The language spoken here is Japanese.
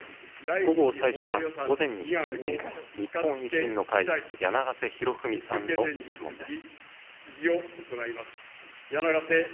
午後最初は、午前に引き続き、日本維新の会、柳ヶ瀬裕文さんの質問です。